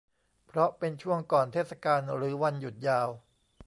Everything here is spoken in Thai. เพราะเป็นช่วงก่อนเทศกาลหรือวันหยุดยาว